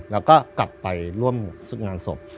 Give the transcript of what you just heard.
แล้วก็กลับไปร่วมงานศพ